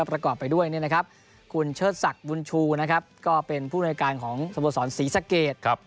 ก็ประกอบไปด้วยคุณเชิดศักดิ์วุลชูเป็นผู้โดยการของสมุทรศรศรีสะเกต